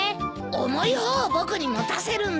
重い方を僕に持たせるんだ。